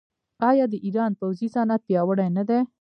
آیا د ایران پوځي صنعت پیاوړی نه دی؟